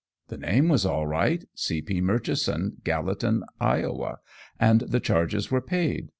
The name was all right "C. P. Murchison, Gallatin, Iowa" and the charges were paid.